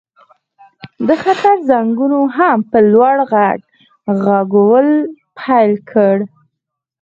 د خطر زنګونو هم په لوړ غږ غږول پیل کړل